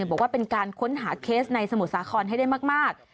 บอกว่าเป็นการค้นหาเคสในสมุทรสาครให้ได้มาก